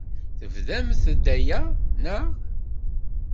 Tebdam-d aya, naɣ?